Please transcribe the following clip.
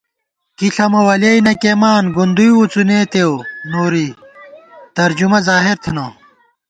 کِی ݪَمہ ولیَئی نہ کېئیمان ، گُندُوئی وڅُنېتېؤ نوری، ترجمہ ظاہر تھنہ